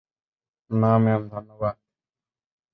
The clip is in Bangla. না, ম্যাম, ধন্যবাদ।